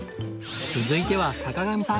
続いては坂上さん